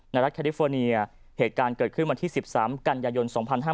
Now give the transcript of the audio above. รัฐแคลิฟอร์เนียเหตุการณ์เกิดขึ้นวันที่๑๓กันยายน๒๕๕๙